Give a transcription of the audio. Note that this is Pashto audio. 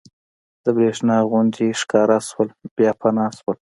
د برېښنا غوندې ښکاره شول بیا فنا شول.